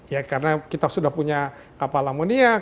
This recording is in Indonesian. ya karena kita sudah punya kapal amoniak